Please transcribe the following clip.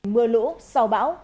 mưa lũ sào bão